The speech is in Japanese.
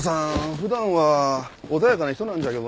普段は穏やかな人なんじゃけどのう。